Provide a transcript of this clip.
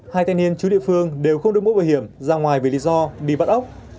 hai thanh niên chú địa phương đều không đưa mũ bảo hiểm ra ngoài vì lý do đi vắt ốc